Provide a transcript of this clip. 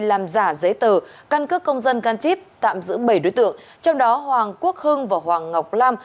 làm giả giấy tờ căn cước công dân gắn chip tạm giữ bảy đối tượng trong đó hoàng quốc hưng và hoàng ngọc lam